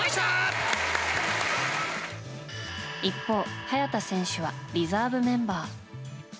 一方、早田選手はリザーブメンバー。